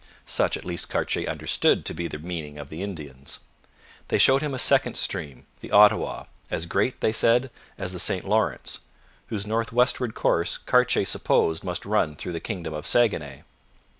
Such at least Cartier understood to be the meaning of the Indians. They showed him a second stream, the Ottawa, as great, they said, as the St Lawrence, whose north westward course Cartier supposed must run through the kingdom of Saguenay.